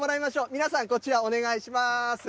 皆さん、こちら、お願いします。